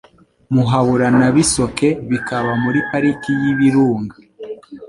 Muhabura na Bisoke bikaba muri Pariki y'Ibirunga